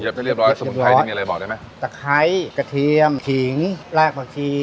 จะเรียบร้อยสมุนไพรนี่มีอะไรบอกได้ไหมตะไคร้กระเทียมขิงลากผักชี